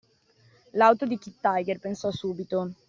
L'auto di Kid Tiger, pensò subito.